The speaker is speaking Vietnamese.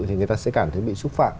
thì người ta sẽ cảm thấy bị xúc phạm